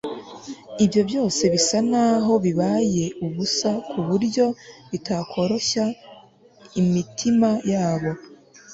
ibyo byose bisa naho bibaye ubusa ku buryo bitakoroshya imitima yabo